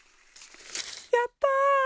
やった！